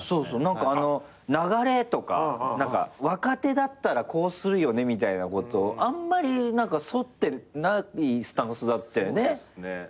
何か流れとか若手だったらこうするよねみたいなことあんまり沿ってないスタンスだったよねずっと。